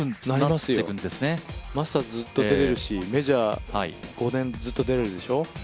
マスターズずっと出れるし、メジャー５年ずっと出れるでしょ。